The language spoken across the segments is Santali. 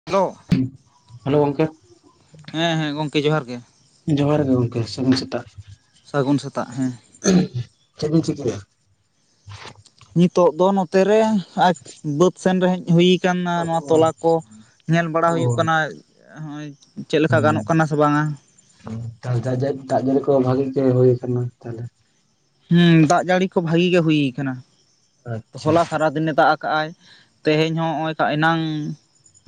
ᱦᱮᱞᱳ᱾ ᱦᱩᱸ ᱦᱮᱞᱳ ᱜᱚᱝᱠᱮ᱾ ᱦᱮᱸ ᱦᱮᱸ ᱜᱚᱝᱠᱮ ᱡᱚᱦᱟᱨ ᱜᱮ᱾ ᱡᱚᱦᱟᱨ ᱜᱮ ᱜᱚᱝᱠᱮ ᱥᱟᱹᱜᱩᱱ ᱥᱮᱛᱟᱜ᱾ ᱥᱟᱹᱜᱩᱱ ᱥᱮᱛᱟᱜ ᱦᱮᱸ᱾ ᱪᱮᱫᱵᱤᱱ ᱪᱤᱠᱟᱹᱭᱟ? ᱱᱤᱛᱚᱜ ᱫᱚ ᱱᱚᱛᱮ ᱨᱮ ᱟᱡ ᱵᱟᱹᱫᱽ ᱥᱮᱱ ᱨᱮ ᱦᱮᱡ ᱦᱩᱭ ᱠᱟᱱᱟ ᱱᱚᱣᱟ ᱛᱚᱞᱟ ᱠᱚ ᱧᱮᱞ ᱵᱟᱲᱟ ᱦᱩᱭᱩᱜ ᱠᱟᱱᱟ᱾ ᱦᱚᱸᱜᱼᱚᱭ ᱪᱮᱜ ᱞᱮᱠᱟ ᱜᱟᱱᱚᱜ ᱠᱟᱱᱟ ᱥᱮ ᱵᱟᱝᱟ᱾ ᱚ ᱡᱟ ᱡᱟ ᱛᱟᱦᱚᱞᱮ ᱫᱟᱜ ᱡᱟᱹᱲᱤ ᱠᱚ ᱵᱷᱟᱜᱤ ᱜᱮ ᱦᱩᱭ ᱠᱟᱱᱟ ᱛᱟᱦᱚᱞᱮ? ᱦᱮᱸ ᱫᱟᱜ ᱡᱟᱹᱲᱤ ᱠᱚ ᱵᱷᱟᱜᱤ ᱜᱮ ᱦᱩᱭ ᱠᱟᱱᱟ, ᱟᱪᱪᱷᱟ ᱦᱚᱞᱟ ᱥᱟᱨᱟ ᱫᱤᱱᱮ ᱫᱟᱜ ᱠᱟᱜᱼᱟᱭ ᱛᱮᱦᱮᱸᱧ ᱦᱚᱸ ᱱᱚᱜᱼᱚᱭ ᱮᱱᱟᱝ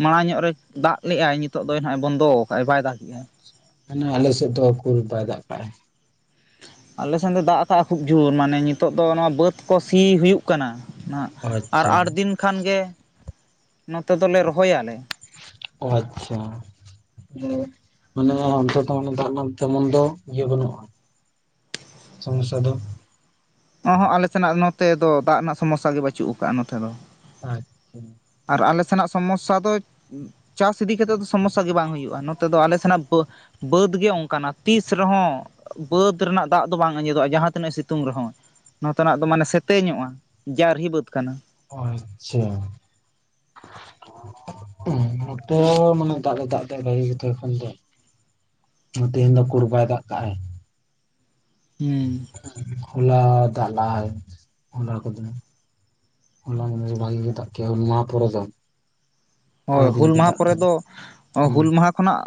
ᱢᱟᱲᱟᱝ ᱧᱚᱜ ᱨᱮ ᱫᱟᱜ ᱞᱮᱜᱼᱟᱭ ᱱᱤᱛᱚᱜ ᱫᱚᱭ ᱱᱟᱦᱟᱜ ᱮ ᱵᱚᱱᱫᱚ ᱠᱟᱜᱼᱟᱭ ᱵᱟᱭ ᱫᱟᱜᱮᱜᱼᱟᱭ᱾ ᱟᱪᱪᱷᱟ ᱢᱟᱱᱮ ᱟᱞᱮ ᱥᱮᱫ ᱫᱚ ᱩᱠᱩᱨ ᱵᱟᱭ ᱫᱟᱜ ᱠᱟᱜᱼᱟᱭ᱾ ᱟᱞᱮᱥᱮᱱ ᱫᱚ ᱫᱟᱜ ᱠᱟᱜᱼᱟ ᱠᱷᱩᱵ ᱡᱳᱨ ᱢᱟᱱᱮ ᱱᱤᱛᱳ ᱫᱚ ᱱᱚᱣᱟ ᱵᱟᱹᱫᱽ ᱠᱚ ᱥᱤ ᱦᱩᱭᱩᱜ ᱠᱟᱱᱟ ᱱᱟᱦᱟᱜ ᱟᱨ ᱟᱪᱪᱷᱟ ᱟᱴ ᱫᱤᱱ ᱠᱷᱟᱱ ᱜᱮ ᱱᱚᱛᱮ ᱫᱚᱞᱮ ᱨᱚᱦᱚᱭᱟᱞᱮ᱾ ᱚ ᱟᱪᱪᱷᱟ᱾ ᱢᱟᱱᱮ ᱚᱱᱛᱮ ᱛᱮᱦᱚ ᱫᱟᱜ ᱨᱮᱱᱟᱜ ᱛᱮᱢᱚᱱ ᱫᱚ ᱤᱭᱟᱹ ᱵᱟᱹᱱᱩᱜᱼᱟ᱾ ᱥᱚᱢᱚᱥᱥᱟ ᱫᱚ ᱚ ᱦᱚᱸᱜ ᱟᱞᱮ ᱥᱮᱱᱟᱜ ᱱᱚᱛᱮ ᱫᱚ ᱫᱟᱜ ᱨᱮᱱᱟᱜ ᱥᱚᱢᱚᱥᱥᱟ ᱜᱮ ᱵᱟᱪᱩᱜ ᱠᱟᱜᱼᱟ ᱱᱚᱛᱮ ᱫᱚ᱾ ᱟᱪᱪᱷᱟ᱾ ᱟᱨ ᱟᱞᱮ ᱥᱮᱱᱟᱜ ᱥᱚᱢᱚᱥᱥᱟ ᱫᱚ ᱪᱟᱥ ᱤᱫᱤ ᱠᱟᱛᱮᱜ ᱫᱚ ᱥᱚᱢᱚᱥᱥᱟ ᱜᱮ ᱵᱟᱝ ᱦᱩᱭᱩᱜᱼᱟ, ᱱᱚᱛᱮ ᱫᱚ ᱟᱞᱮ ᱥᱮᱱᱟᱜ ᱵᱟᱹ ᱵᱟᱹᱫᱽ ᱜᱮ ᱚᱱᱠᱟᱱᱟ ᱛᱤᱥ ᱨᱮᱦᱚᱸ ᱵᱟᱹᱫᱽ ᱨᱮᱱᱟᱜ ᱫᱟᱜ ᱫᱚ ᱵᱟᱝ ᱟᱸᱡᱮᱫᱚᱜᱼᱟ, ᱡᱟᱦᱟᱸ ᱛᱤᱱᱟᱹᱜ ᱥᱤᱛᱩᱝ ᱨᱮᱦᱚᱸ᱾ ᱱᱚᱛᱮᱱᱟᱜ ᱫᱚ ᱢᱟᱱᱮ ᱥᱮᱛᱮ ᱧᱚᱜᱼᱟ ᱡᱟᱨᱦᱤ ᱵᱟᱹᱫᱽ ᱠᱟᱱᱟ᱾ ᱚ ᱟᱪᱪᱷᱟ᱾ ᱚᱦᱚ [unintelligible] ᱢᱟᱱᱮ ᱫᱟᱜ ᱫᱟᱜ ᱛᱮ ᱵᱷᱟᱹᱜᱤ ᱜᱮᱛᱚ ᱮᱠᱷᱚᱱ ᱫᱚ᱾ ᱛᱮᱦᱮᱧ ᱫᱚ ᱩᱠᱩᱨ ᱵᱟᱭ ᱫᱟᱜ ᱠᱟᱜᱼᱟᱭ᱾ ᱦᱩᱸ ᱦᱚᱞᱟ ᱫᱟᱜ ᱞᱟᱜᱼᱟᱭ ᱦᱚᱞᱟ ᱠᱚᱛᱮ᱾ ᱦᱚᱞᱟ [unintelligible] ᱵᱷᱟᱜᱮ ᱜᱮ ᱫᱟᱜ ᱠᱟᱜ ᱟᱭ ᱦᱩᱞᱢᱟᱦᱟ ᱯᱚᱨᱮ ᱫᱚ᱾ ᱚ ᱯᱨᱟᱭ ᱫᱤᱱ ᱦᱩᱞ ᱜᱮ ᱢᱟᱦᱟ ᱫᱟᱜ ᱯᱚᱨᱮ ᱫᱟᱭ ᱫᱚ, ᱚ ᱦᱩᱸ ᱦᱩᱞ ᱢᱟᱦᱟ ᱠᱷᱚᱱᱟᱜ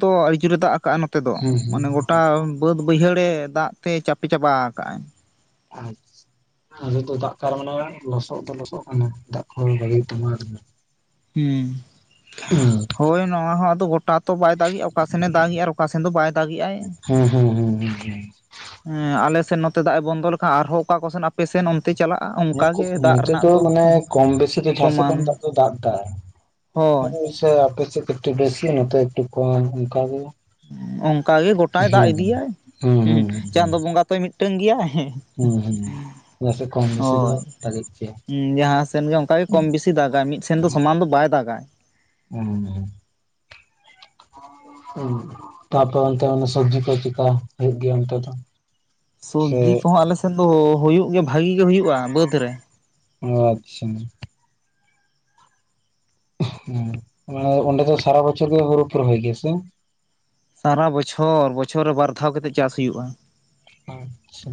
ᱫᱚ ᱟᱹᱰᱤ ᱡᱳᱨᱮ ᱫᱟᱜ ᱠᱟᱜᱼᱟ, ᱱᱚᱛᱮ ᱫᱚ ᱦᱩᱸ ᱦᱩᱸ ᱢᱟᱱᱮ ᱜᱚᱴᱟ ᱵᱟᱹᱫᱽ ᱵᱟᱹᱭᱦᱟᱹᱲᱮ ᱫᱟᱜ ᱛᱮ ᱪᱟᱯᱮ ᱪᱟᱵᱟ ᱠᱟᱜᱼᱟᱭ᱾ ᱟᱪᱪᱷᱟ᱾ ᱟᱞᱮ ᱫᱚ ᱫᱟᱜ ᱠᱟᱨᱚᱱ ᱛᱮ ᱞᱚᱥᱚᱫ ᱫᱚ ᱞᱚᱥᱚᱜ ᱠᱟᱱᱟ᱾ ᱫᱟᱜ ᱠᱚ ᱵᱷᱟᱜᱤ ᱦᱩᱭᱩᱜ ᱛᱟᱢᱟ ᱟᱨ ᱦᱩᱸ ᱦᱳᱭ ᱱᱚᱣᱟ ᱦᱚᱸ ᱟᱫᱚ ᱜᱚᱴᱟ ᱛᱚ ᱵᱟᱭ ᱫᱟᱜᱮᱜᱼᱟ᱾ ᱚᱠᱟ ᱥᱮᱱᱮ ᱫᱟᱜᱮᱜ ᱟᱨᱼᱼ ᱚᱠᱟ ᱥᱮᱱ ᱫᱚ ᱵᱟᱭ ᱫᱟᱜᱮᱜᱟᱭ᱾ ᱦᱩᱸ ᱦᱩᱸ ᱦᱩᱸ ᱦᱩᱸ ᱦᱮᱸ ᱟᱞᱮᱥᱮᱫ ᱱᱚᱛᱮ ᱫᱟᱜ ᱮ ᱵᱚᱱᱫᱚ ᱞᱮᱠᱷᱟᱱ ᱟᱨᱦᱚᱸ ᱚᱠᱟ ᱠᱚᱥᱮᱱ ᱟᱯᱮᱥᱮᱱ ᱛᱮ ᱪᱟᱞᱟᱜᱼᱟ᱾ ᱦᱮᱸ ᱚᱱᱠᱟᱜᱮ ᱫᱟᱜ ᱱᱤᱛᱚᱜ ᱨᱮᱱᱟᱜ ᱫᱚ ᱢᱟᱱᱮ ᱠᱚᱢ ᱵᱮᱥᱤ ᱫᱚ ᱪᱟᱥᱮ ᱥᱚᱢᱟᱱ ᱛᱚ ᱫᱟᱜ ᱠᱟᱜ ᱟᱭ᱾ ᱦᱳᱭ ᱦᱮᱸ ᱥᱮ ᱟᱯᱮ ᱥᱮᱫ ᱠᱟᱴᱤᱡ ᱵᱮᱥᱤ ᱱᱚᱛᱚ ᱮᱠᱴᱩ ᱠᱚᱢ ᱚᱱᱠᱟ ᱜᱮ ᱚᱱᱠᱟ ᱜᱮ ᱜᱚᱴᱟᱭ ᱫᱟᱜ ᱦᱩᱸ ᱤᱫᱤᱭᱟᱭ ᱦᱩᱸ ᱦᱮ ᱦᱩᱸ ᱦᱩᱸ ᱪᱟᱸᱫᱚ ᱵᱚᱸᱜᱟ ᱛᱚᱭ ᱢᱤᱫᱴᱟᱝ ᱜᱮᱭᱟᱭ᱾ ᱦᱩᱸ ᱦᱩᱸ᱾ ᱡᱟᱥᱮ ᱠᱚᱢ ᱵᱮᱥᱤ ᱫᱚ ᱦᱳᱭ ᱫᱟᱜᱮᱜ ᱜᱮᱭᱟ᱾ ᱡᱟᱦᱟᱸ ᱥᱮᱱ ᱜᱮ ᱚᱱᱠᱟᱜᱮ ᱠᱚᱢ ᱵᱮᱥᱤ ᱫᱟᱜᱟᱭ ᱢᱤᱫ ᱥᱮᱱ ᱫᱚ ᱥᱚᱢᱟᱱ ᱫᱚ ᱵᱟᱭ ᱫᱟᱜᱟᱭ ᱦᱩᱸ᱾ ᱦᱩᱸ ᱛᱟᱯᱚᱨ ᱚᱱᱛᱮ ᱥᱚᱵᱽᱡᱤ ᱠᱚ ᱪᱤᱠᱟ ᱦᱩᱭᱩᱜ ᱜᱮᱭᱟ, ᱚᱱᱛᱮ ᱫᱚ ᱥᱮ ᱥᱚᱵᱽᱡᱤ ᱠᱚᱦᱚᱸ ᱟᱞᱮᱥᱮᱫ ᱫᱚ ᱦᱩᱭᱩᱜ ᱜᱮᱭᱟ᱾ ᱟᱪᱪᱷᱟ᱾ ᱦᱮᱸ ᱢᱟᱱᱮ ᱚᱸᱰᱮ ᱫᱚ ᱥᱟᱨᱟ ᱵᱚᱪᱷᱚᱨ ᱜᱮ ᱦᱩᱲᱩ ᱯᱮ ᱨᱚᱦᱚᱭ ᱜᱮᱭᱟ ᱥᱮ? ᱥᱟᱨᱟ ᱵᱚᱪᱷᱚᱨ, ᱵᱚᱪᱷᱚᱨ ᱨᱮ ᱵᱟᱨ ᱫᱷᱟᱣ ᱠᱟᱛᱮᱫ ᱪᱟᱥ ᱦᱩᱭᱩᱜᱼᱟ ᱾ ᱟᱪᱪᱷᱟ᱾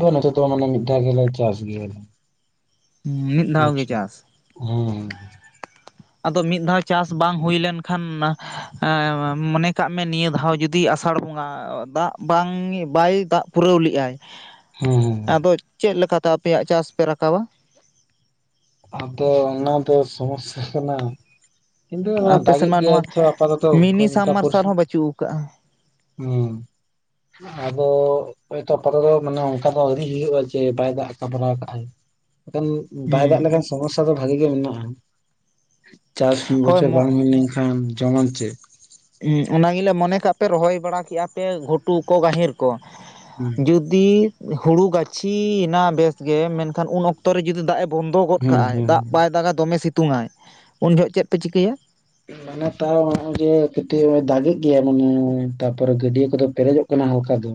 ᱛᱚ ᱱᱚᱛᱮ ᱫᱚ ᱢᱟᱱᱮ ᱢᱤᱫᱷᱟᱣ ᱜᱮᱞᱮ ᱪᱟᱥ ᱜᱮᱭᱟ᱾ ᱢᱤᱫ ᱫᱷᱟᱣ ᱜᱮ ᱪᱟᱥ? ᱦᱮᱸ᱾ ᱟᱫᱚ ᱢᱤᱫ ᱫᱷᱟᱣ ᱪᱟᱥ ᱵᱟᱝ ᱦᱩᱭ ᱞᱮᱱ ᱠᱷᱟᱱ, ᱢᱚᱱᱮ ᱠᱟᱜ ᱢᱮ ᱱᱤᱭᱟᱹ ᱫᱷᱟᱣ ᱡᱩᱫᱤ ᱡᱩᱫᱤ ᱟᱥᱟᱲ ᱵᱚᱸᱜᱟ ᱫᱟᱜ ᱵᱟᱝ ᱵᱟᱭ ᱫᱟᱜ ᱯᱩᱨᱟᱹᱣ ᱞᱮ ᱟᱭ ᱦᱮᱸ ᱦᱮᱸ᱾ ᱟᱫᱚ ᱪᱮᱫ ᱞᱮᱠᱟ ᱛᱮ ᱟᱯᱮᱭᱟᱜ ᱪᱟᱥ ᱯᱮ ᱨᱟᱠᱟᱵᱟ? ᱟᱫᱚ ᱚᱱᱟ ᱫᱚ ᱥᱚᱢᱚᱥᱥᱟ ᱠᱟᱱᱟ᱾ ᱠᱤᱱᱛᱩ ᱚᱱᱟ ᱟᱯᱮ ᱥᱮᱱ ᱫᱟᱜᱮᱜ ᱢᱟ ᱜᱮᱭᱟ ᱱᱚᱣᱟ ᱛᱚ, ᱟᱯᱟᱛᱚᱛᱚ ᱢᱤᱱᱤ ᱥᱟᱵ ᱚᱱᱠᱟ ᱯᱚᱨᱤᱥ ᱢᱟᱨᱥᱟᱞ ᱦᱮᱸ ᱦᱚᱸ ᱵᱟᱹᱪᱩᱜ ᱟᱠᱟᱜᱼᱟ ᱟᱫᱚ ᱦᱚᱭᱛᱚ ᱯᱚᱨᱮ ᱫᱚ ᱢᱟᱱᱮ ᱚᱱᱠᱟ ᱫᱚ ᱟᱨᱤ ᱦᱩᱭᱩᱜᱼᱟ ᱡᱮ ᱵᱟᱭ ᱫᱟᱜ ᱟᱠᱟ ᱵᱟᱲᱟ ᱠᱟᱜ ᱟᱭ ᱮᱠᱷᱟᱱ ᱵᱟᱭ ᱫᱟᱜ ᱦᱩᱸ ᱞᱮᱠᱷᱟᱱ ᱥᱚᱢᱚᱥᱥᱟ ᱫᱚ ᱵᱷᱟᱜᱤ ᱜᱮ ᱢᱮᱱᱟᱜᱼᱟ᱾ ᱪᱟᱥ ᱢᱤᱫ ᱦᱳᱭ ᱵᱚᱪᱷᱚᱨ ᱵᱟᱝ ᱦᱩᱭ ᱞᱮᱱᱠᱷᱟᱱ ᱡᱚᱢᱚᱢ ᱪᱮᱫ? ᱩᱸ ᱚᱱᱟ ᱜᱮᱞᱮ ᱢᱚᱱᱮ ᱠᱟᱜ ᱯᱮ ᱨᱚᱦᱚᱭ ᱵᱟᱲᱟ ᱠᱮᱜᱼᱟ ᱯᱮ ᱜᱷᱩᱴᱩ ᱠᱚ ᱜᱟᱹᱦᱤᱨ ᱠᱚ᱾ ᱦᱩᱸ᱾ ᱡᱩᱫᱤ ᱦᱩᱲᱩ ᱜᱟᱹᱪᱷᱤᱭᱮᱱᱟ ᱵᱮᱥ ᱜᱮ, ᱢᱮᱱᱠᱷᱟᱱ ᱩᱱ ᱚᱠᱛᱚ ᱨᱮ ᱡᱩᱫᱤ ᱫᱟᱜ ᱮ ᱵᱚᱱᱫᱚ ᱜᱚᱫ ᱦᱮᱸ ᱠᱟᱜᱼᱟᱭ ᱦᱮᱸ ᱫᱟᱜ ᱵᱟᱭ ᱫᱟᱜᱟ ᱫᱚᱢᱮ ᱥᱤᱛᱩᱝᱼᱟᱭ ᱩᱱ ᱡᱚᱦᱚᱜ ᱪᱮᱫ ᱯᱮ ᱪᱤᱠᱟᱹᱭᱟ? ᱢᱟᱱᱮ ᱛᱟᱣ ᱱᱚᱜᱼᱚᱭ ᱡᱮ ᱠᱟᱹᱴᱤᱡ ᱫᱟᱜᱮᱜ ᱜᱮᱭᱟ᱾ ᱢᱟᱱᱮ ᱛᱟᱯᱚᱨᱮ ᱜᱟᱹᱰᱭᱟᱹ ᱠᱚᱫᱚ ᱯᱮᱨᱮᱡᱚᱜ ᱠᱟᱱᱟ᱾ ᱠᱟᱱᱟ ᱦᱟᱞᱠᱟ ᱫᱚ,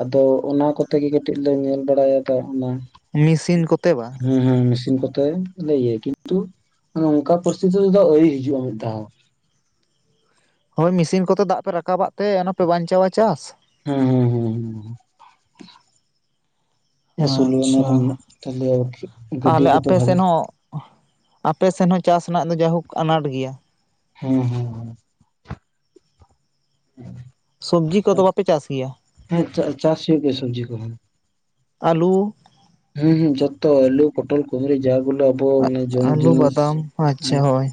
ᱟᱫᱚ ᱚᱱᱟ ᱠᱚᱛᱮ ᱜᱮ ᱠᱟᱹᱴᱤᱡ ᱞᱮ ᱧᱮᱞ ᱵᱟᱲᱟᱭᱫᱟ᱾ ᱚᱱᱟ ᱢᱮᱥᱤᱱ ᱠᱚᱛᱮ ᱵᱟᱝ? ᱦᱩᱸ ᱢᱮᱥᱤᱱ ᱠᱚᱛᱮ ᱞᱟᱹᱭ ᱭᱟ ᱠᱤᱱᱛᱩ ᱚᱱᱮ ᱚᱱᱠᱟ ᱯᱚᱨᱤᱥᱛᱷᱤᱛᱤ ᱫᱚ ᱟᱹᱣᱨᱤ ᱦᱤᱡᱩᱜᱼᱟ ᱢᱤᱫ ᱫᱷᱟᱣ᱾ ᱦᱳᱭ ᱢᱮᱥᱤᱱ ᱠᱚᱛᱮ ᱫᱟᱜ ᱯᱮ ᱨᱟᱠᱟᱵᱟᱜ ᱛᱮ ᱚᱱᱟ ᱯᱮ ᱵᱟᱧᱪᱟᱣᱟ ᱪᱟᱥ? ᱦᱮᱸ ᱦᱮᱸ᱾ ᱦᱮᱸ ᱥᱩᱞᱳ ᱚᱱᱟ ᱟᱪᱪᱷᱟ ᱠᱚ ᱢᱮᱱᱟᱜ-ᱟ ᱛᱟᱦᱞᱮ ᱟᱨᱠᱤ ᱜᱟᱹᱰᱤ ᱛᱟᱦᱚᱞᱮ ᱠᱚᱫᱚ ᱟᱯᱮ ᱥᱮᱱ ᱵᱷᱟᱹᱜᱤ ᱦᱚᱸ ᱟᱯᱮ ᱥᱮᱱ ᱦᱚᱸ ᱪᱟᱥ ᱨᱮᱱᱟᱜ ᱫᱚ ᱡᱟᱭᱦᱳᱠ ᱟᱱᱟᱴ ᱜᱮᱭᱟ᱾ ᱦᱮᱸ ᱦᱮᱸ᱾ ᱥᱚᱵᱽᱡᱤ ᱠᱚᱫᱚ ᱵᱟᱯᱮ ᱪᱟᱥ ᱜᱮᱭᱟ ᱦᱮᱸ ᱪᱟᱥ ᱦᱩᱭᱩᱜ ᱜᱮᱭᱟ ᱥᱚᱵᱽᱡᱤ ᱠᱚ᱾ ᱟᱹᱞᱩᱼᱼ ᱦᱩᱸ ᱦᱩᱸ ᱡᱚᱛᱚ ᱮᱞᱩ ᱯᱚᱴᱚᱞ ᱠᱩᱫᱨᱤ ᱡᱟᱼᱼ ᱵᱚᱞᱮ ᱟᱵᱚ ᱢᱟᱱᱮ ᱡᱚᱢ ᱟᱹᱞᱩ ᱡᱤᱱᱤᱥᱼᱼ ᱵᱟᱫᱟᱢ ᱟᱪᱪᱷᱟ ᱦᱳᱭ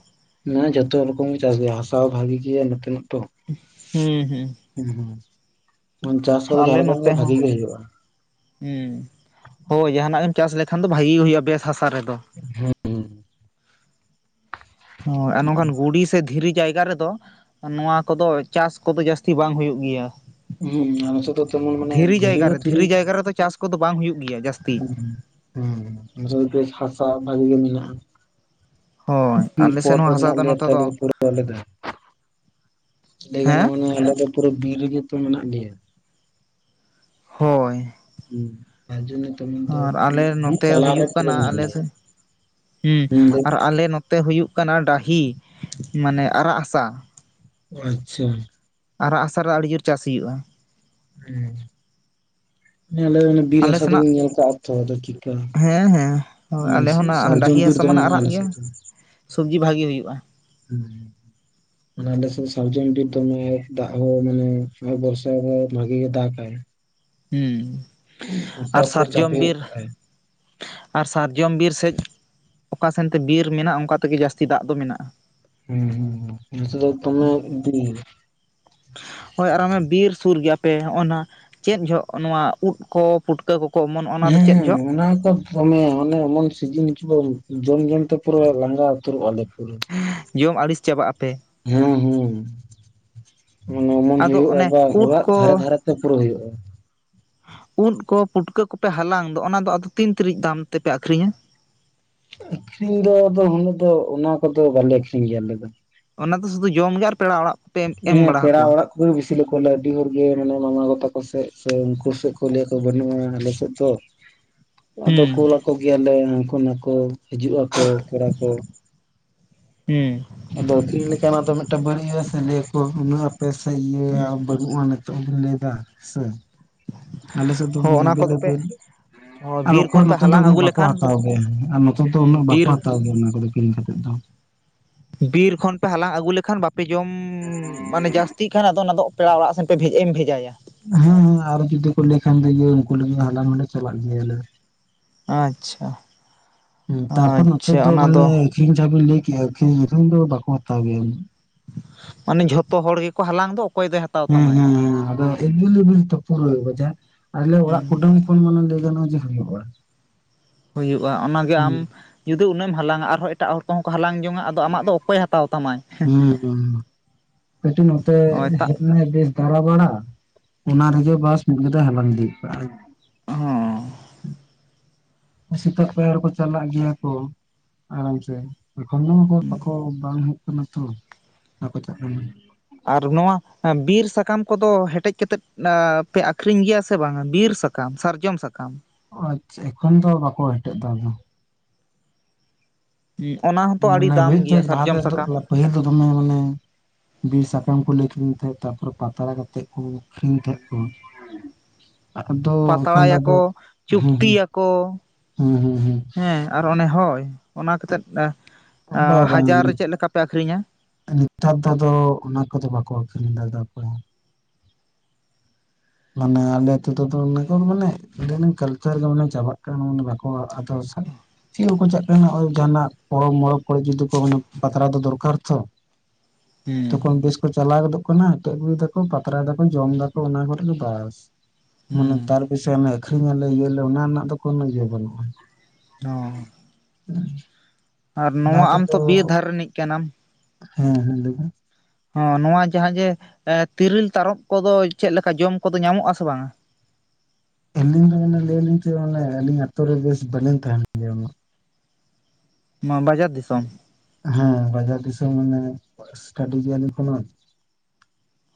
ᱱᱚᱣᱟ ᱡᱚᱛᱚ ᱨᱚᱠᱚᱢ ᱜᱮ ᱪᱟᱥ ᱜᱮᱭᱟ ᱦᱟᱥᱟ ᱦᱚᱸ ᱵᱷᱟᱜᱤ ᱜᱮᱭᱟ ᱱᱚᱛᱮ ᱢᱟᱛᱚ᱾ ᱦᱩᱸ ᱦᱩᱸᱼᱼ ᱦᱩᱸ ᱦᱩᱸ ᱢᱚ ᱪᱟᱥ ᱠᱚᱫᱚ ᱟᱞᱮ ᱡᱟᱦᱟᱸᱞᱮ ᱠᱷᱟᱱ ᱱᱚᱛᱮ ᱵᱷᱟᱜᱤ ᱦᱚᱸ ᱜᱮ ᱦᱩᱭᱩᱜ-ᱟ᱾ ᱦᱩᱸ ᱦᱳᱭ ᱡᱟᱦᱟᱱᱟᱜ ᱜᱮᱢ ᱪᱟᱥ ᱞᱮᱠᱷᱟᱱ ᱫᱚ ᱵᱷᱟᱜᱤ ᱜᱮ ᱦᱩᱭᱩᱜ-ᱟ ᱵᱮᱥ ᱦᱟᱥᱟ ᱨᱮᱫᱚ᱾ ᱦᱮᱸ ᱟᱨ ᱱᱚᱝᱠᱷᱟᱱ ᱜᱩᱲᱤ ᱥᱮ ᱫᱷᱤᱨᱤ ᱡᱟᱭᱜᱟ ᱨᱮᱫᱚᱼᱼ ᱱᱚᱣᱟ ᱠᱚᱫᱚ ᱪᱟᱥ ᱠᱚᱫᱚ ᱡᱟᱹᱥᱛᱤ ᱵᱟᱝ ᱦᱩᱭᱩᱜ ᱜᱮᱭᱟ᱾ ᱦᱩᱸ ᱟᱨ ᱱᱚᱛᱮ ᱫᱚ ᱛᱮᱢᱚᱱ ᱢᱟᱱᱮ ᱫᱷᱤᱨᱤ ᱡᱟᱭᱜᱟ ᱦᱚᱸ ᱨᱮ ᱫᱷᱤᱨᱤᱼᱼ ᱡᱟᱭᱜᱟ ᱨᱮᱫᱚ ᱪᱟᱥ ᱠᱚᱫᱚ ᱵᱟᱝ ᱦᱩᱭᱩᱜ ᱜᱮᱭᱟ ᱡᱟᱥᱛᱤᱼᱼ ᱦᱩᱸ ᱱᱚᱛᱮ ᱵᱮᱥ ᱦᱟᱥᱟ ᱵᱷᱟᱜᱤ ᱜᱮ ᱢᱮᱱᱟᱜ-ᱟ᱾ ᱦᱳᱭ ᱵᱤᱨ ᱟᱞᱮ ᱯᱚᱨ ᱥᱮᱱ ᱦᱚᱸ ᱨᱮ ᱦᱟᱥᱟ ᱢᱮᱱᱟᱜ ᱫᱚ ᱞᱮᱭᱟ ᱱᱚᱛᱮ ᱛᱚ ᱫᱚ ᱯᱩᱨᱟᱹᱣ ᱟᱞᱮᱫᱚ᱾ ᱞᱟᱹᱭ ᱦᱮᱸ ᱜᱟᱱᱚᱜ ᱟᱱᱟ ᱟᱞᱮ ᱫᱚ ᱯᱩᱨᱟᱹ ᱵᱤᱨ ᱨᱮᱜᱮ ᱛᱚ ᱢᱮᱱᱟᱜ ᱞᱮᱭᱟ᱾ ᱦᱳᱭ᱾ ᱦᱮᱸ ᱛᱟᱨ ᱡᱚᱱᱱᱚ ᱛᱮᱢᱚᱱ ᱫᱚ ᱟᱨ ᱢᱟᱱᱮ ᱟᱞᱮ ᱵᱤᱨ ᱱᱚᱛᱮ ᱛᱟᱞᱟ ᱨᱮ ᱦᱩᱭᱩᱜ ᱯᱩᱨᱟᱹ ᱠᱟᱱᱟ ᱢᱮᱱᱟᱜ ᱟᱞᱮ ᱞᱮᱭᱟ᱾ ᱥᱮᱫ ᱦᱩᱸ ᱟᱨ ᱟᱞᱮ ᱱᱚᱛᱼᱼ ᱛᱮ ᱦᱩᱭᱩᱜ ᱠᱟᱱᱟ ᱰᱟᱹᱦᱤ ᱢᱟᱱᱮ ᱟᱨᱟᱜ ᱦᱟᱥᱟᱼᱼ ᱚᱸ ᱟᱪᱪᱷᱟ᱾ ᱟᱨᱟᱜ ᱦᱟᱥᱟ ᱨᱮ ᱟᱹᱰᱤ ᱡᱳᱨ ᱪᱟᱥ ᱦᱩᱭᱩᱜ-ᱟ᱾ ᱦᱩᱸ ᱟᱞᱮ ᱵᱤᱨ ᱦᱟᱥᱟ ᱫᱚᱵᱤᱱ ᱧᱮᱞ ᱠᱟᱜ ᱛᱚ ᱟᱫᱚ ᱪᱤᱠᱟ᱾ ᱦᱮᱸ ᱦᱮᱸ ᱟᱞᱮ ᱦᱚᱸ ᱱᱟᱜ ᱰᱟᱹᱦᱤ ᱵᱤᱨ ᱦᱟᱥᱟ ᱫᱚᱢᱮ ᱢᱟᱱᱟ ᱢᱮᱱᱟᱜᱼᱟ ᱟᱨᱟᱜ ᱟᱞᱮ ᱜᱮᱭᱟ ᱥᱮᱫ ᱫᱚ ᱥᱚᱵᱽᱡᱤ ᱵᱷᱟᱜᱤ ᱦᱩᱭᱩᱜ-ᱟ᱾ ᱦᱩᱸ ᱢᱟᱱᱮ ᱟᱞᱮᱥᱮᱫ ᱥᱟᱨᱡᱚᱢ ᱵᱤᱨ ᱫᱚᱢᱮ ᱫᱟᱜ ᱦᱚᱸ ᱢᱟᱱᱮ ᱵᱚᱨᱥᱟ ᱨᱮ ᱵᱷᱟᱜᱤ ᱜᱮ ᱫᱟᱜᱟᱭ। ᱦᱩᱸ। ᱜᱚᱴᱟ ᱟᱨ ᱯᱩᱨᱟᱹ ᱪᱟᱯᱮ ᱥᱟᱨᱡᱚᱢ ᱜᱚᱜ ᱵᱤᱨ ᱠᱟᱜ-ᱟᱭ᱾ ᱟᱨ ᱥᱟᱨᱡᱚᱢ ᱵᱤᱨ ᱥᱮᱡ, ᱚᱠᱟ ᱥᱮᱱᱛᱮ ᱵᱤᱨ ᱢᱮᱱᱟᱜᱼᱟ ᱚᱱᱠᱟ ᱛᱮᱜᱮ ᱡᱟᱹᱥᱛᱤ ᱫᱟᱜ ᱫᱚ ᱢᱮᱱᱟᱜᱼᱟ। ᱦᱮᱸ ᱱᱚᱛᱮ ᱫᱚ ᱫᱚᱢᱮ ᱵᱤᱨ। ᱦᱳᱭ ᱟᱨ ᱵᱤᱨ ᱥᱩᱨ ᱜᱮᱭᱟᱯᱮ ᱦᱚᱸᱜᱼᱚᱭ ᱱᱟ ᱪᱮᱫ ᱡᱚ ᱱᱚᱣᱟ ᱩᱫ ᱠᱚ ᱯᱩᱴᱠᱟᱹ ᱠᱚᱠᱚ ᱚᱢᱚᱱᱚᱜᱼᱟ ᱚᱱᱟ ᱫᱚ ᱪᱮᱫ ᱡᱚᱜ? ᱦᱮᱸ ᱚᱱᱟ ᱫᱚ ᱫᱚᱢᱮ ᱚᱱᱮ ᱮᱢᱚᱱ ᱥᱤᱡᱤᱱ ᱦᱤᱡᱩᱜ-ᱟ ᱡᱚᱢ ᱡᱚᱢ ᱛᱮ ᱯᱩᱨᱟᱹ ᱞᱟᱸᱜᱟ ᱩᱛᱟᱹᱨᱚᱜ ᱟᱞᱮ ᱯᱩᱨᱟᱹ। ᱡᱚᱢ ᱟᱹᱲᱤᱥ ᱪᱟᱵᱟᱜ ᱟᱯᱮ। ᱦᱮᱸ ᱦᱮᱸ, ᱚᱢᱚᱱ ᱟᱫᱚ ᱦᱩᱭᱩᱜᱼᱟ ᱚᱱᱮ ᱵᱟᱝ ᱩᱫ ᱚᱲᱟᱜ ᱫᱷᱟᱨᱮ ᱠᱚ ᱫᱷᱟᱨᱮ ᱛᱮ ᱯᱩᱨᱟᱹ ᱦᱩᱭᱩᱜᱼᱟ। ᱩᱫ ᱠᱚ ᱯᱩᱴᱠᱟᱹ ᱠᱚᱯᱮ ᱦᱟᱞᱟᱝ ᱫᱚ ᱚᱱᱟ ᱫᱚ ᱟᱫᱚ ᱛᱤᱱ ᱛᱤᱨᱤᱡ ᱫᱟᱢ ᱛᱮᱯᱮ ᱟᱠᱷᱨᱤᱧᱟ? ᱟᱹᱠᱷᱨᱤᱧ ᱫᱚ ᱟᱫᱚ ᱩᱱᱟᱹᱜ ᱫᱚ ᱚᱱᱟ ᱠᱚᱫᱚ ᱵᱟᱞᱮ ᱟᱠᱷᱨᱤᱧ ᱜᱮᱭᱟ ᱟᱞᱮ ᱫᱚ। ᱚᱱᱟ ᱫᱚ ᱥᱩᱫᱩ ᱡᱚᱢ ᱜᱮ ᱟᱨ ᱯᱮᱲᱟ ᱚᱲᱟᱜ ᱯᱮ ᱮᱢ ᱦᱮᱸ ᱵᱟᱲᱟ ᱯᱮᱲᱟ ᱟᱠᱚᱣᱟ᱾ ᱚᱲᱟᱜ ᱩ ᱵᱮᱥᱤ ᱞᱮ ᱠᱚᱞ ᱟᱹᱰᱤ ᱦᱚᱲ ᱜᱮ ᱢᱟᱱᱮ ᱢᱟᱢᱟ ᱜᱚ ᱛᱟᱠᱚ ᱥᱮᱡ ᱥᱮ ᱩᱱᱠᱩ ᱥᱮᱫ ᱠᱚ ᱞᱟᱹᱭ ᱟᱠᱚ ᱵᱟᱹᱱᱩᱜᱼᱟ ᱟᱞᱮᱥᱮᱫ ᱫᱚ। ᱟᱫᱚ ᱦᱩᱸ ᱠᱳᱞ ᱟᱠᱚ ᱜᱮᱭᱟᱞᱮ ᱩᱱᱠᱩ ᱱᱟᱠᱚ ᱦᱤᱡᱩᱜᱼᱟᱠᱚ ᱯᱮᱲᱟ ᱠᱚ। ᱦᱩᱸ। ᱟᱫᱚ ᱪᱮᱫ ᱞᱮᱠᱟ ᱱᱟᱜ ᱫᱚ ᱢᱤᱫᱴᱟ ᱵᱟᱨᱭᱟ ᱥᱮ ᱞᱟ. ᱭ ᱟᱠᱚ ᱩᱱᱟᱹᱜ ᱟᱯᱮ ᱥᱮᱭ ᱤᱭᱟᱹ। ᱦᱩᱸ ᱱᱚᱜᱼᱚᱭ ᱱᱤᱛᱚᱜ ᱦᱚᱸᱢ ᱞᱟᱹᱭᱫᱟ ᱥᱮ ᱟᱞᱮ ᱥᱮᱫ ᱫᱚ ᱦᱚᱸ ᱢᱟᱱᱮ ᱚᱱᱟ [unintelligible] ᱠᱚᱫᱚ ᱯᱮ ᱦᱚᱸ ᱟᱨ ᱵᱤᱨ ᱚᱠᱚᱭ ᱠᱷᱚᱱ ᱯᱮ ᱱᱚᱛᱮ ᱫᱚ ᱦᱟᱞᱟᱝ ᱩᱱᱟᱹᱜ ᱟᱹᱜᱩ ᱵᱟᱠᱚ ᱞᱮᱠᱷᱟᱱ ᱦᱟᱛᱟᱣ ᱜᱮᱭᱟ, ᱟᱨ ᱱᱚᱛᱮ ᱫᱚ ᱩᱱᱟᱹᱜ ᱵᱟᱠᱚ ᱵᱤᱨ ᱦᱟᱛᱟᱣ ᱜᱮᱭᱟ ᱚᱱᱟ ᱠᱚᱫᱚ ᱠᱤᱨᱤᱧ ᱠᱟᱛᱮᱫ ᱫᱚ। ᱵᱤᱨ ᱠᱷᱚᱱ ᱯᱮ ᱦᱟᱞᱟᱝ ᱟᱹᱜᱩ ᱞᱮᱠᱷᱟᱱ ᱵᱟᱯᱮ ᱡᱚᱢ ᱢᱟᱱᱮ ᱡᱟᱹᱥᱛᱤᱜ ᱠᱷᱟᱱ ᱟᱫᱚ ᱚᱱᱟᱫᱚ ᱯᱮᱲᱟ ᱚᱲᱟᱜ ᱥᱮᱱ ᱯᱮ ᱵᱷᱮ ᱵᱷᱮᱡᱟᱭᱟ? ᱦᱩᱸ ᱦᱩᱸ ᱟᱨ ᱡᱩᱫᱤ ᱠᱚ ᱞᱟᱹᱭ ᱠᱷᱟᱱ ᱫᱚ ᱩᱱᱠᱩ ᱞᱟᱹᱜᱤᱫ ᱦᱟᱞᱟᱝ ᱱᱚᱰᱮ ᱪᱟᱞᱟᱜ ᱜᱮᱭᱟᱞᱮ। ᱟᱪᱪᱷᱟ। ᱛᱟᱨᱯᱚᱨ ᱱᱚᱛᱮ ᱟᱪᱪᱷᱟ ᱫᱚ ᱚᱱᱟ ᱢᱟᱱᱮ ᱟᱹᱠᱷᱨᱤᱧ ᱡᱟᱦᱟᱸ ᱵᱤᱱ ᱞᱟᱹᱭ ᱠᱮᱜᱼᱟ, ᱟᱹᱠᱷᱨᱤᱧ ᱫᱚ ᱵᱟᱠᱚ ᱦᱟᱛᱟᱣ ᱜᱮᱭᱟ। ᱢᱟᱱᱮ ᱡᱷᱚᱛᱚ ᱦᱚᱲ ᱜᱮᱠᱚ ᱦᱟᱞᱟᱝ ᱫᱚ ᱚᱠᱚᱭ ᱫᱚᱭ ᱦᱟ ᱦᱮᱸ ᱦᱮᱸ ᱦᱮᱸ ᱟᱫᱚ ᱮᱵᱤᱞᱮᱵᱤᱞ ᱛᱚ ᱯᱩᱨᱟ ᱵᱟᱡᱟᱨ ᱟᱞᱮ ᱚᱲᱟᱜ ᱦᱩᱸ ᱠᱩᱴᱟᱹᱢ ᱩᱱ ᱢᱟᱱᱮ ᱞᱟᱹᱭ ᱛᱟᱵᱚᱜᱼᱟ ᱡᱮ [unintelligible] ᱦᱩᱭᱩᱜᱼᱟ, ᱚᱱᱟᱜᱮ ᱦᱩᱸ ᱟᱢ ᱡᱩᱫᱤ ᱩᱱᱟᱹᱜ ᱮᱢ ᱦᱟᱞᱟᱝᱼᱟ, ᱟᱨᱦᱚᱸ ᱮᱴᱟᱜ ᱦᱚᱲ ᱠᱚᱦᱚᱸ ᱠᱚ ᱦᱟᱞᱟᱝ ᱡᱚᱝᱟᱜ ᱦᱩᱸ ᱠᱟᱹᱴᱤᱡ ᱱᱚᱛᱮ ᱦᱚᱸ ᱮᱴᱟᱜ ᱦᱮᱡ ᱱᱟᱭ [unintelligible] ᱫᱟᱬᱟᱼᱵᱟᱲᱟ ᱚᱱᱟ ᱨᱮᱜᱮ ᱵᱟᱥ ᱢᱤᱫ ᱜᱟᱫᱟᱭ ᱦᱟᱞᱟᱝ ᱤᱫᱤ ᱠᱚᱣᱟ। ᱦᱚᱸ [inaudible] ᱥᱮᱛᱟᱜ ᱯᱟᱭᱟᱨ ᱠᱚ ᱪᱟᱞᱟᱜ ᱜᱮᱭᱟ ᱠᱚ। ᱟᱨᱟᱢ ᱥᱮ [inaudible] ᱵᱟᱠᱚ ᱵᱟᱝ ᱦᱩᱭᱩᱜ ᱠᱟᱱᱟ ᱛᱚ ᱵᱟᱠᱚ ᱪᱟᱜ ᱠᱟᱱᱟ। ᱟᱨ ᱱᱚᱣᱟ ᱮ ᱵᱤᱨ ᱥᱟᱠᱟᱢ ᱠᱚᱫᱚ ᱦᱮᱴᱮᱡ ᱠᱟᱛᱮᱫ ᱯᱮ ᱟᱹᱠᱷᱨᱤᱧ ᱜᱮᱭᱟ ᱥᱮ ᱵᱟᱝ -ᱟ ᱵᱤᱨ ᱥᱟ ᱠᱟᱢ ᱥᱟᱨᱡᱚᱢ ᱥᱟᱠᱟᱢ? ᱟᱪᱪᱷᱟ, ᱮᱠᱷᱚᱱ ᱫᱚ ᱵᱟᱠᱚ ᱦᱮᱴᱮᱜ ᱫᱟ ᱟᱫᱚ। ᱦᱮᱸ ᱚᱱᱟ ᱦᱚᱸᱛᱚ ᱟᱹᱰᱤ ᱢᱟᱱᱮ ᱫᱟᱢ ᱦᱩᱭᱩᱜ ᱜᱮᱭᱟ ᱛᱮᱫ ᱞᱟᱦᱟ ᱥᱟᱨᱡᱚᱢ ᱛᱮᱫᱚ ᱥᱟᱠᱟᱢ [unintelligible] ᱫᱚ ᱫᱚᱢᱮ ᱢᱟᱱᱮ ᱵᱤᱨ ᱥᱟᱠᱟᱢ ᱠᱚᱞᱮ ᱟᱠᱷᱨᱤᱧ ᱛᱟᱸᱦᱮᱫ ᱛᱟᱨᱯᱚᱨᱮ ᱯᱟᱛᱲᱟ ᱠᱟᱛᱮᱜ ᱠᱚ ᱟᱠᱷᱨᱤᱧ ᱛᱟᱸᱦᱮᱫ ᱠᱚ। ᱟᱫᱚ ᱮᱠᱷᱚᱱ ᱟᱫᱚ ᱯᱟᱛᱲᱟᱭᱟᱠᱚ ᱦᱮᱸ ᱪᱩᱠᱛᱤᱭᱟᱠᱚ ᱦᱮᱸ ᱦᱮᱸ ᱦᱮᱸ ᱦᱮᱸ। ᱟᱨ ᱚᱱᱮ ᱦᱳᱭ, ᱚᱱᱟ ᱠᱟᱛᱮᱫ ᱟᱸ ᱦᱮᱸ ᱦᱟᱡᱟᱨ ᱨᱮ ᱪᱮᱫ ᱞᱮᱠᱟ ᱯᱮ ᱟᱹᱠᱷᱨᱤᱧᱟ? ᱱᱤᱛᱟᱨ ᱫᱚ ᱟᱫᱚ ᱚᱱᱟ ᱠᱚᱫᱚ ᱵᱟᱠᱚ ᱟᱠᱷᱨᱤᱧ ᱫᱟ ᱚᱠᱚᱭ ᱦᱚᱸ। ᱢᱟᱱᱮ ᱟᱞᱮ ᱟᱹᱛᱩ ᱛᱮᱫᱚ ᱚᱱᱟ ᱠᱚ ᱢᱟᱱᱮ ᱫᱤᱱᱚᱢ ᱠᱟᱞᱪᱟᱨ ᱜᱮ ᱢᱟᱱᱮ ᱪᱟᱵᱟᱜ ᱠᱟᱱᱟ ᱢᱟᱱᱮ ᱵᱟᱠᱚ ᱛᱚᱲᱥᱟᱝ ᱪᱮᱜ ᱦᱚᱸᱠᱚ ᱪᱟᱜ ᱠᱟᱱᱟ ᱱᱚᱜ-ᱚᱭ ᱡᱟᱸᱦᱟᱱᱟᱜ ᱯᱚᱨᱚᱵ ᱢᱚᱨᱚᱵ ᱚᱭ ᱡᱩᱫᱤ ᱠᱚ ᱦᱚᱸ ᱢᱟᱱᱮ ᱯᱟᱛᱲᱟ ᱫᱚ ᱫᱚᱨᱠᱟᱨ ᱛᱷᱚ, ᱦᱩᱸ ᱛᱚᱠᱷᱚᱱ ᱵᱮᱥ ᱠᱚ ᱪᱟᱞᱟᱣ ᱜᱚᱫᱚᱜ ᱠᱟᱱᱟ, ᱦᱮᱴᱮᱡ ᱟᱹᱜᱩᱭ ᱫᱟᱠᱚ ᱯᱟᱛᱨᱟᱭ ᱫᱟᱠᱚ ᱡᱚᱢ ᱮᱫᱟᱠᱚ ᱚᱱᱟ ᱠᱚᱨᱮ ᱜᱮ ᱵᱟᱥ ᱢᱟᱱᱮ ᱦᱩᱸ ᱛᱟᱨ ᱵᱮᱥᱤ ᱚᱱᱮ ᱟᱠᱷᱨᱤᱧ ᱟᱞᱮ ᱤᱭᱟᱹ ᱟᱞᱮ ᱚᱱᱟ ᱨᱮᱱᱟᱜ ᱫᱚ ᱠᱳᱱᱚ ᱤᱭᱟᱹ ᱵᱟᱹᱱᱩᱜᱼᱟ। ᱦᱚᱸ᱾ ᱩᱸ᱾ ᱟᱨ ᱱᱚᱣᱟ ᱟᱢ ᱛᱚ ᱵᱤᱨ ᱫᱷᱟᱨ ᱨᱤᱱᱤᱡ ᱠᱟᱱᱟᱢ? ᱦᱮᱸ ᱦᱮᱸ ᱞᱟᱹᱭ ‌ᱵᱤᱱ᱾ ᱦᱚᱸ ᱱᱚᱣᱟ ᱡᱟᱦᱟᱸ ᱡᱮ ᱮ ᱛᱤᱨᱤᱞ ᱛᱟᱨᱚᱵ ᱠᱚᱫᱚ ᱪᱮᱜ ᱞᱮᱠᱟ ᱡᱚᱢ ᱠᱚᱫᱚ ᱧᱟᱢᱚᱜ- ᱟ ᱥᱮ ᱵᱟᱝᱟ? ᱟᱹᱞᱤᱧ ᱫᱚ ᱢᱟᱱᱮ ᱞᱟᱹᱭ ᱞᱤᱧ ᱪᱮᱜ ᱢᱚᱱᱮ ᱟᱹᱞᱤᱧ ᱟᱛᱳ ᱨᱮ ᱵᱮᱥ ᱵᱟᱹᱞᱤᱧ ᱛᱟᱦᱮᱸᱱ ᱜᱮᱭᱟ ᱩᱱᱟᱹᱜ ᱾ ᱢᱟ ᱵᱟᱡᱟᱨ ᱫᱤᱥᱚᱢ᱾ ᱦᱮᱸ ᱵᱟᱡᱟᱨ ᱫᱤᱥᱚᱢ ᱢᱟᱱᱮ ᱮᱥᱴᱮᱰᱤᱭ ᱜᱮᱭᱟ ᱞᱤᱧ ᱮᱠᱷᱚᱱᱚ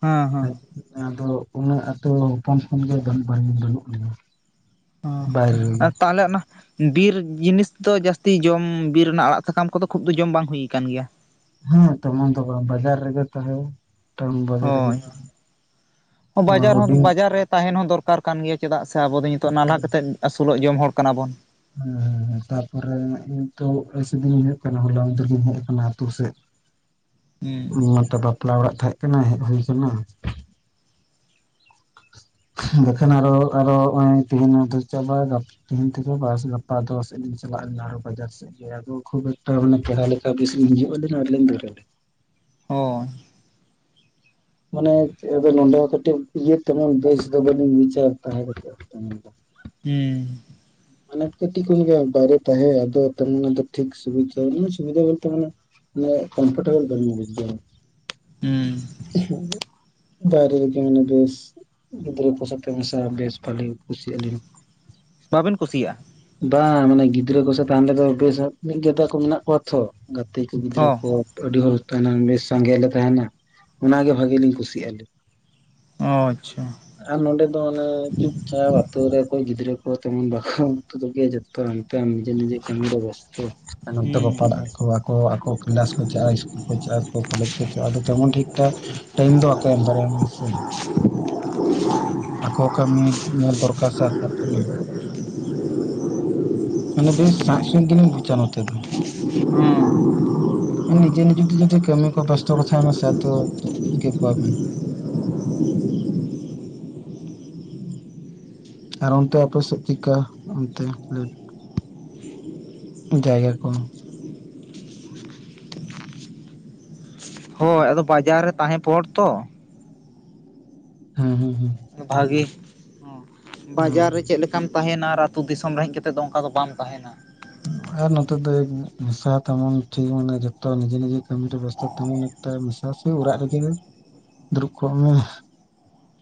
ᱦᱮᱸ ᱦᱮᱸ ᱟᱪᱷ ᱟᱫᱚ ᱩᱱᱟᱹᱜ ᱟᱛᱚ ᱦᱚᱯᱚᱱ ᱠᱷᱚᱱ ᱜᱮ ᱵᱟᱱ ᱵᱟᱱᱩ ᱵᱟᱱᱩᱜ ᱞᱤᱧᱟ᱾ ᱚ ᱵᱟᱭᱨᱮ ᱨᱮᱜᱮ ᱟᱨ ᱛᱟᱦᱚᱞᱮ ᱚᱱᱟ ᱵᱤᱨ ᱡᱤᱱᱤᱥ ᱫᱚ ᱡᱟᱥᱛᱤ ᱡᱚᱢ ᱵᱤᱨ ᱨᱮᱱᱟᱜ ᱟᱲᱟᱜ ᱥᱟᱠᱟᱢ ᱠᱚᱫᱚ ᱠᱷᱩᱵ ᱫᱚ ᱡᱚᱢ ᱵᱟᱝ ᱦᱩᱭ ᱠᱟᱱ ᱜᱤᱭᱟ᱾ ᱦᱮᱸ ᱛᱮᱢᱚᱱ ᱫᱚ ᱵᱟᱝ ᱵᱟᱡᱟᱨ ᱨᱮᱜᱮ ᱛᱟᱦᱮᱸ ᱴᱟᱣᱩᱱ ᱵᱟᱡᱟᱨ ᱨᱮᱜᱮ ᱦᱳᱭ ᱠᱷᱩᱵ ᱵᱟᱡᱟᱨ ᱦᱚᱸ ᱵᱟᱡᱟᱨ ᱨᱮ ᱛᱟᱦᱮᱸᱱ ᱦᱚᱸ ᱫᱚᱨᱠᱟᱨ ᱠᱟᱱ ᱜᱮᱭᱟ ᱪᱮᱫᱟᱜ ᱥᱮ ᱟᱵᱚ ᱫᱚ ᱧᱤᱛᱚᱜ ᱱᱟᱞᱦᱟ ᱠᱟᱛᱮᱫ ᱟᱥᱩᱞᱚᱜ ᱡᱚᱢ ᱦᱚᱲ ᱠᱟᱱᱟ ᱵᱚᱱ᱾ ᱦᱮᱸ ᱛᱟᱨᱯᱚᱨᱮ ᱤᱧᱟᱜ ᱱᱤᱛᱳᱜ ᱟᱯᱮ ᱥᱮᱫ ᱜᱤᱧ ᱦᱤᱡᱩᱜ ᱠᱟᱱᱟ ᱦᱚᱞᱟ ᱢᱟᱸᱫᱷᱮᱨ ᱜᱤᱧ ᱦᱮᱡ ᱟᱠᱟᱱᱟ ᱟᱹᱛᱩ ᱥᱮᱜ᱾ ᱦᱩᱸ ᱤᱧ ᱢᱟᱛᱚ ᱵᱟᱯᱞᱟ ᱚᱲᱟᱜ ᱛᱟᱦᱮᱸᱜ ᱠᱟᱱᱟ ᱦᱮᱡ ᱦᱩᱭ ᱠᱟᱱᱟ᱾ ᱵᱟᱠᱷᱟᱱ ᱟᱨᱚ ᱟᱨᱚ ᱦᱚᱸᱜ-ᱚᱭ ᱛᱤᱦᱤᱧ ᱢᱟᱛᱚ ᱪᱟᱵᱟᱭ ᱫᱟ᱾ ᱛᱤᱦᱤᱧ ᱛᱮᱫᱚ ᱵᱟᱥ ᱜᱟᱯᱟ ᱫᱚ ᱥᱮᱜ ᱞᱤᱧ ᱪᱟᱞᱟᱜ ᱟᱞᱤᱧ ᱟᱨᱚ ᱵᱟᱡᱟᱨ ᱥᱮᱜ᱾ ᱜᱮᱭᱟ ᱠᱚ ᱠᱷᱩᱵ ᱮᱠᱴᱟ‌ ᱢᱟᱱᱮ ᱯᱮᱲᱟ ᱞᱮᱠᱟ ᱵᱤᱥᱤ ᱦᱤᱡᱩᱜ-ᱟᱞᱤᱧ ᱟᱨ ᱞᱤᱧ ᱫᱟᱹᱲᱟ ᱞᱤᱧ᱾ ᱦᱚᱸ᱾ ᱢᱟᱱᱮ ᱪᱮᱜ ᱟᱫᱚ ᱱᱚᱸᱰᱮ ᱦᱚᱸ ᱠᱟᱹᱴᱤᱡ ᱤᱭᱟᱹ ᱛᱮᱢᱚᱱ ᱵᱮᱥ ᱫᱚ ᱵᱟᱹᱞᱤᱧ ᱵᱩᱡᱷᱟᱹᱣ ᱛᱟᱦᱮᱸ ᱠᱟᱛᱮᱜ ᱚᱱᱟ ᱫᱚ᱾ ᱦᱩᱸ᱾ ᱢᱟᱱᱮ ᱠᱟᱹᱴᱤᱡ‌ ᱠᱷᱚᱡ ᱜᱮ ᱵᱟᱭᱨᱮ ᱛᱟᱦᱮᱸ ᱟᱫᱚ ᱛᱟᱨ ᱢᱟᱱᱮ ᱴᱷᱤᱠ ᱥᱩᱵᱤᱛᱟ ᱩᱱᱟᱹᱜ ᱥᱩᱵᱤᱫᱟ ᱵᱚᱞᱛᱮ ᱢᱟᱱᱮ ᱢᱟᱱᱮ ᱠᱚᱢᱯᱷᱚᱨᱴᱮᱵᱚᱞ ᱵᱟᱹᱧ ᱵᱩᱡᱫᱟ ᱦᱩᱸ [unintelligible] ᱵᱟᱭᱨᱮ ᱨᱮᱜᱮ ᱢᱟᱱᱮ ᱵᱮᱥ ᱜᱤᱫᱽᱨᱟᱹ ᱠᱚ ᱥᱟᱛᱮ ᱢᱮᱥᱟ ᱵᱮᱥ ᱵᱷᱟᱞᱤ ᱠᱩᱥᱤᱜ ᱟᱹᱞᱤᱧ᱾ ᱵᱟᱵᱮᱱ ᱠᱩᱥᱤᱭᱟᱜ-ᱟ? ᱵᱟᱝ, ᱢᱟᱱᱮ ᱜᱤᱫᱽᱨᱟᱹ ᱠᱚ ᱥᱟᱶ ᱛᱟᱦᱮᱱ [unintelligible] ᱢᱤᱫ ᱡᱚᱴᱟ ᱠᱚ ᱢᱮᱱᱟᱜ ᱠᱚᱣᱟ ᱛᱷᱚ᱾ ᱜᱟᱛᱮ ᱠᱚ ᱜᱤᱫᱽᱨᱟᱹ ᱦᱚᱸ ᱠᱚ᱾ ᱟᱹᱰᱤ ᱦᱚᱲ ᱛᱟᱦᱮᱱᱟ ᱵᱮᱥ ᱥᱟᱸᱜᱮ ᱞᱮ ᱛᱟᱦᱮᱱᱟ ᱚᱱᱟ ᱜᱮ ᱵᱷᱟᱜᱮ ᱞᱤᱧ ᱠᱩᱥᱤᱭᱟᱜ-ᱟ ᱞᱤᱧ᱾ ᱟᱪᱪᱷᱟ᱾ ᱟᱨ ᱱᱚᱸᱰᱮ ᱫᱚ ᱢᱟᱱᱮ ᱪᱩᱯᱪᱟᱯ ᱟᱛᱩ ᱨᱮ ᱚᱠᱚᱭ ᱜᱤᱫᱽᱨᱟᱹ ᱠᱚ ᱛᱟᱦᱮᱱ ᱵᱟᱠᱷᱚ ᱟᱹᱛᱩ ᱨᱮ ᱜᱮ ᱡᱚᱛᱚ ᱚᱱᱛᱮ ᱱᱤᱡᱮ ᱱᱤᱡᱮ ᱠᱟᱹᱢᱤ ᱨᱮ ᱵᱮᱥᱛᱚ, ᱱᱚᱱᱛᱮ ᱠᱚ ᱯᱟᱲᱟᱜ-ᱟ ᱦᱩᱸ ᱠᱚ ᱵᱟᱠᱚ ᱨᱚᱲᱟᱠᱚ᱾ ᱠᱞᱟᱥ ᱠᱚ ᱪᱟᱜ-ᱟ, ᱤᱥᱠᱩᱞ ᱠᱚ ᱪᱟᱜ-ᱟ, ᱚᱠᱚᱭ ᱠᱚᱞᱮᱡᱽ ᱠᱚ ᱪᱟᱜ-ᱟ ᱟᱫᱚ ᱛᱮᱢᱚᱱ ᱴᱷᱤᱠ ᱴᱷᱟᱠ ᱴᱟᱹᱭᱤᱢ ᱫᱚ ᱵᱟᱠᱚ ᱮᱢ ᱫᱟᱨᱮᱭᱟᱢᱟ ᱥᱮ᱾ ᱟᱠᱚᱣᱟᱜ ᱠᱟᱹᱢᱤ ᱧᱮᱞ ᱫᱚᱨᱠᱟᱨ ᱥᱮ ᱟᱠᱚᱣᱟᱜ ᱠᱟᱹᱢᱤ᱾ ᱢᱟᱱᱮ ᱵᱮᱥ ᱥᱟᱸᱡ ᱥᱩᱸᱡ ᱜᱮᱞᱤᱧ ᱵᱩᱪᱟ ᱱᱚᱛᱮ ᱫᱚ᱾ ᱚ᱾ ᱢᱟᱱᱮ ᱱᱤᱡᱮ ᱱᱤᱡᱮ ᱛᱮ ᱡᱩᱫᱤ ᱠᱟᱹᱢᱤ ᱠᱚ ᱵᱮᱥᱛᱚ ᱠᱚ ᱛᱟᱦᱱᱟ ᱥᱮ ᱟᱫᱚ ᱪᱤᱠᱟᱹ ᱠᱚᱣᱟ ᱵᱮᱱ᱾ ᱦᱩᱸ, ᱟᱨ ᱚᱱᱛᱮ ᱟᱯᱮ ᱥᱮᱜ ᱪᱮᱜᱠᱟ ᱚᱱᱛᱮ ᱞᱟᱹᱭ ᱡᱟᱭᱜᱟ ᱠᱚ? ᱦᱳᱭ ᱟᱫᱚ ᱵᱟᱡᱟᱨ ᱨᱮ ᱛᱟᱦᱮᱸ ᱯᱚᱦᱚᱴ ᱛᱚ᱾ ᱦᱮᱸ ᱦᱮᱸ ᱦᱮᱸ᱾ ᱵᱷᱟᱜᱮ᱾ ᱦᱩᱸ, ᱵᱟᱡᱟᱨ ᱨᱮ ᱪᱮᱜᱞᱮᱠᱟᱢ ᱛᱟᱦᱮᱱᱟ ᱟᱨ ᱟᱹᱛᱩ ᱫᱤᱥᱚᱢ ᱨᱮ ᱦᱮᱡ ᱠᱟᱛᱮᱫ ᱫᱚ ᱚᱱᱠᱟ ᱫᱚ ᱵᱟᱢ ᱛᱟᱦᱮᱱᱟ᱾ ᱦᱩᱸ, ᱟᱨ ᱱᱚᱛᱮ ᱫᱚ ᱩᱸ ᱢᱮᱥᱟ ᱛᱮᱢᱚᱱ ᱴᱷᱤᱠ ᱢᱟᱱᱮ ᱡᱷᱚᱛᱚ ᱱᱤᱡᱮ ᱱᱤᱡᱮ ᱠᱟᱹᱢᱤ ᱨᱮ ᱵᱮᱥᱛᱚ ᱛᱮ ᱛᱟᱸᱦᱮᱱ ᱛᱚ ᱢᱟ, ᱥᱚᱵᱥᱚᱢᱚᱭ ᱚᱲᱟᱜ ᱨᱮᱜᱮᱞᱤᱧ ᱫᱩᱲᱩᱵ ᱠᱚᱜ ᱢᱟ᱾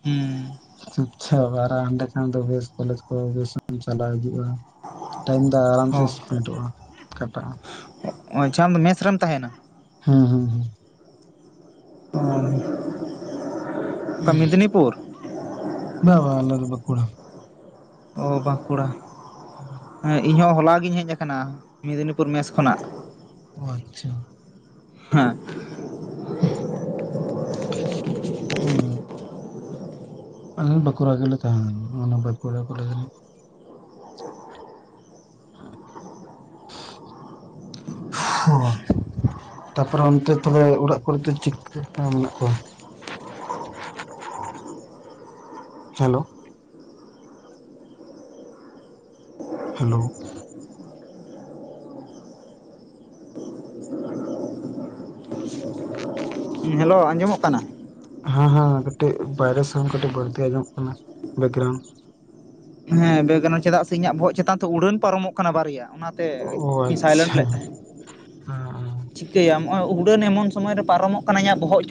ᱦᱩᱸ᱾ ᱪᱩᱯᱪᱷᱟᱯ ᱟᱨᱚ ᱦᱟᱺᱰᱮ ᱠᱷᱟᱱ ᱫᱚ ᱵᱮᱥ ᱠᱚᱞᱮᱡᱽ ᱠᱚ ᱵᱮᱥᱮᱢ ᱪᱟᱞᱟᱣ ᱦᱤᱡᱩᱜ-ᱟ᱾ ᱴᱟᱭᱤᱢ ᱫᱚ ᱟᱨᱟᱢ ᱥᱮ ᱦᱚᱸ ᱤᱥᱯᱤᱴᱚᱜ-ᱟ, ᱠᱟᱴᱟᱜ-ᱟ᱾ ᱚ ᱟᱪᱷᱟ ᱟᱢ ᱫᱚ ᱢᱮᱥ ᱨᱮᱢ ᱛᱟᱸᱦᱮᱱᱟ? ᱦᱩᱸ ᱦᱩᱸ ᱦᱩᱸ᱾ ᱦᱳᱭ᱾ ᱵᱟ ᱵᱟ ᱟᱞᱮ ᱫᱚ ᱵᱟᱸᱠᱩᱲᱟ᱾ ᱚ ᱵᱟᱸᱠᱩᱲᱟ ᱦᱮᱸ ᱤᱧ ᱦᱚᱸ ᱦᱚᱞᱟ ᱜᱤᱧ ᱦᱮᱡ ᱟᱠᱟᱱᱟ᱾ ᱢᱮᱫᱽᱱᱤᱯᱩᱨ ᱢᱮᱥ ᱠᱷᱚᱱᱟᱜ᱾ ᱚ, ᱟᱪᱪᱷᱟ᱾ ᱦᱮᱸ᱾ ᱚ᱾ ᱟᱞᱮ ᱫᱚ ᱵᱟᱸᱠᱩᱲᱟ ᱜᱮ ᱞᱮ ᱛᱟᱦᱮᱱᱟ, ᱚᱱᱟ ᱵᱟᱸᱠᱩᱲᱟ ᱠᱚᱞᱮᱡᱽ ᱨᱮ᱾ [unintelligible] ᱛᱟᱨ ᱯᱚᱨᱮ ᱚᱱᱛᱮ ᱛᱚᱵᱮ ᱚᱲᱟᱜ ᱠᱚ ᱨᱮ ᱫᱚ ᱪᱤᱠ ᱢᱮᱱᱟᱜ ᱠᱚᱣᱟ᱾ Hello hello. ᱦᱮᱞᱳ ᱟᱸᱡᱚᱢᱚᱜ ᱠᱟᱱᱟ? ᱦᱮᱸ ᱦᱮᱸ ᱠᱟᱹᱴᱤᱡ ᱵᱟᱭᱨᱮ ᱥᱟᱣᱩᱱᱴ ᱠᱟᱹᱴᱤᱡ ᱵᱟᱹᱲᱛᱤ ᱟᱸᱡᱚᱢᱚᱜ ᱠᱟᱱᱟ ᱵᱮᱠᱨᱟᱣᱩᱱᱴ᱾ ᱦᱮᱸ ᱵᱮᱠᱨᱟᱣᱩᱰ ᱪᱮᱫᱟᱜ ᱥᱮ ᱤᱧᱟᱹᱜ ᱵᱚᱜ ᱪᱮᱛᱟᱱ ᱛᱮ ᱩᱰᱟᱹᱱ ᱯᱟᱨᱚᱢᱚᱜ ᱠᱟᱱᱟ ᱵᱟᱨᱭᱟ ᱚᱱᱟ᱾ ᱛᱮ ᱚ ᱤᱧ ᱥᱟᱭᱞᱮᱱᱴ ᱟᱪᱪᱷᱟ ᱞᱮᱫ ᱦᱮᱸ ᱛᱟᱸᱦᱮᱡ᱾ ᱦᱮᱸ ᱪᱤᱠᱟᱹᱭᱟᱢ ᱱᱚᱜ-ᱚᱭ ᱩᱰᱟᱹᱱ ᱮᱢᱚᱱ ᱥᱚᱢᱚᱭ ᱨᱮ ᱯᱟᱨᱚᱢᱚᱜ ᱠᱟᱱᱟ ᱤᱧᱟᱹᱜ ᱵᱚᱦᱚᱜ ᱪᱚᱼᱼ